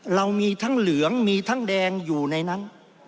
เรามีทั้งเหลืองมีทั้งแดงอยู่ในนั้น